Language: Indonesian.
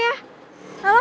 udah dulu ya